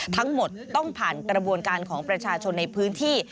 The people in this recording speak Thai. ทั้งหมดต้องผ่านกระบวนการของประชาชนในพื้นที่